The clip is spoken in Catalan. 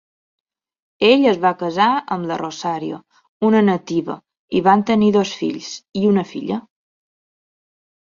Ell es va casar amb la Rosario, una nativa, i van tenir dos fills i una filla.